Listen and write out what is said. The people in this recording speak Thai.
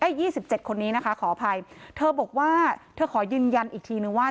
ยี่สิบเจ็ดคนนี้นะคะขออภัยเธอบอกว่าเธอขอยืนยันอีกทีนึงว่า